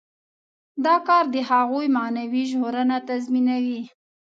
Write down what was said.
دا کار د هغوی معنوي ژغورنه تضمینوي.